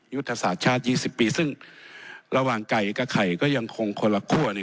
ยุทธศาสตร์ชาติ๒๐ปีซึ่งระหว่างไก่กับไข่ก็ยังคงคนละคั่วเนี่ย